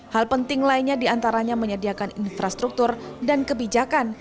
hal penting lainnya diantaranya menyediakan infrastruktur dan kebijakan